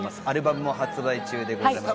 アルバムも発売中です。